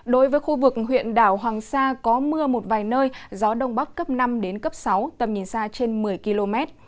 đối với khu vực huyện đảo hoàng sa có mưa một vài nơi gió đông bắc cấp năm đến cấp sáu tầm nhìn xa trên một mươi km